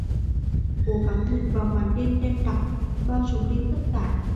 Cố gắng nhìn vào màn đêm đen đặc, bao trùm lên tất cả